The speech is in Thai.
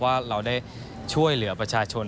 ว่าเราได้ช่วยเหลือประชาชน